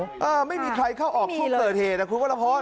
โอ้โหไม่มีใครเข้าออกช่วงเกิดเหตุครับคุณก้อนละพร